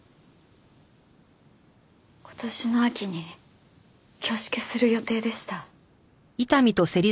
今年の秋に挙式する予定でした。